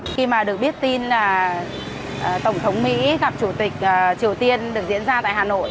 khi mà được biết tin là tổng thống mỹ gặp chủ tịch triều tiên được diễn ra tại hà nội